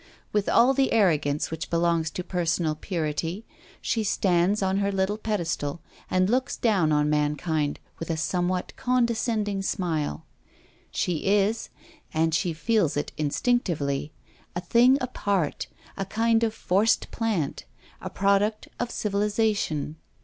With all the arrogance which belongs to personal purity, she stands on her little pedestal and looks down on mankind with a somewhat condescending smile. She is — and she feels it instinctively — a thing apart, a kind of forced plant, a product of civilisation.